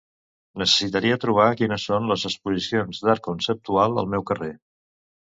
Necessitaria trobar quines són les exposicions d'art conceptual al meu carrer.